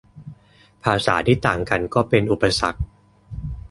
ภาษาที่ต่างกันก็เป็นอุปสรรค